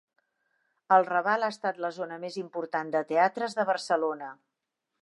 El Raval ha estat la zona més important de teatres de Barcelona.